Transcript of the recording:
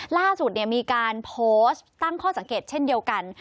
ล่าสุดมีการโพสต์ตั้งข้อสังเกตเช่นเดียวกัน